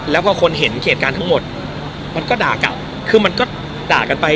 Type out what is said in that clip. แล้วพอคนเห็นเหตุการณ์ทั้งหมดมันก็ด่ากลับคือมันก็ด่ากันไป